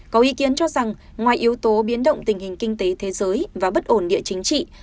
có ý kiến cho rằng ngoài yếu tố biến động tình hình kinh tế thế giới và bất ổn địa chính trị